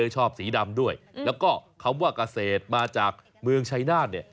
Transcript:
ชอบสีดำด้วยแล้วก็คำว่าเกษตรมาจากเมืองชัยนาธเนี่ย